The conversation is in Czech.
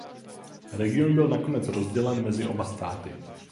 Region byl nakonec rozdělen mezi oba státy.